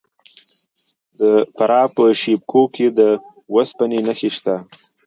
د فراه په شیب کوه کې د وسپنې نښې شته.